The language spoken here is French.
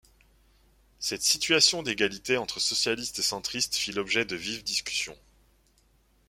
Cette situation d'égalité entre socialistes et centristes fit l’objet de vives discussions.